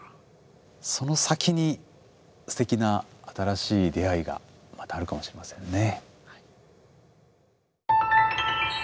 その先にすてきな新しい出会いがまたあるかもしれませんね。